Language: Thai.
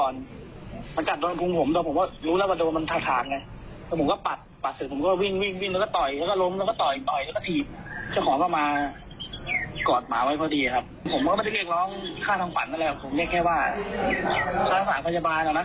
น้องขวัญ